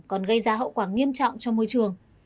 còn gây ra hậu quả nghiêm trọng cho môi trường